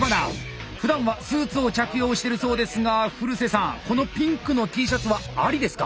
ふだんはスーツを着用してるそうですが古瀬さんこのピンクのＴシャツはありですか？